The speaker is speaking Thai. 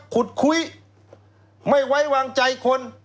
ขุดคุยไม่ไว้วางใจคน